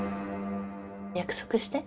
約束して。